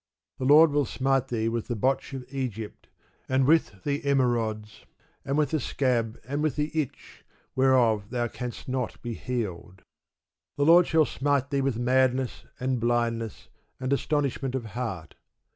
The Lord will smite thee with the botch of Egypt, and with the emerods, and with the scab, and with the itch, whereof thou canst not be healed. The Lord shall smite thee with madness, and blindness, and astonishment of heart